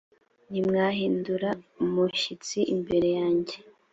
ntimwahindira umushyitsi imbere yanjye i